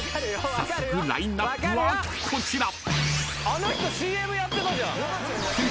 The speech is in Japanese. ［早速ラインアップはこちら］